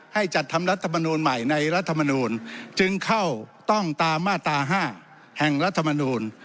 จัดทำรัฐมนูลใหม่ในรัฐมนูลจึงเข้าต้องตามมาตรา๕แห่งรัฐมนูล